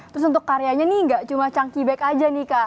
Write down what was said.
terus untuk karyanya nih gak cuma chany back aja nih kak